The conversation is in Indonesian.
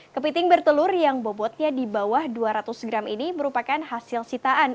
kepiting bertelur yang bobotnya di bawah dua ratus gram ini merupakan hasil sitaan